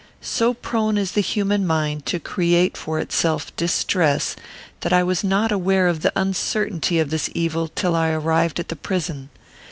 So prone is the human mind to create for itself distress, that I was not aware of the uncertainty of this evil till I arrived at the prison.